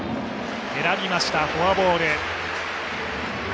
選びました、フォアボール。